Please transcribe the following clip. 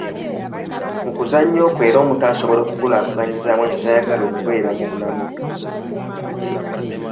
Mu kuzannya okwo era omuto asobola okukulaakulanyizaamu ekyo ky’ayagala okubeera mu bulamu.